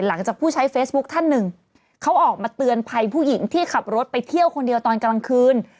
หลังจากผู้ใช้เฟซบุ๊คท่านหนึ่งเขาออกมาเตือนภัยผู้หญิงที่ขับรถไปเที่ยวคนเดียวตอนกลางคืน